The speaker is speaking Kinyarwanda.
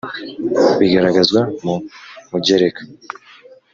bigaragazwa mu Mugereka